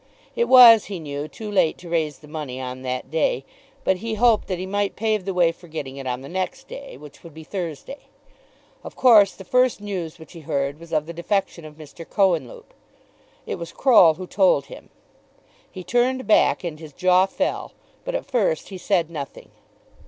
It was he knew too late to raise the money on that day, but he hoped that he might pave the way for getting it on the next day, which would be Thursday. Of course the first news which he heard was of the defection of Mr. Cohenlupe. It was Croll who told him. He turned back, and his jaw fell, but at first he said nothing.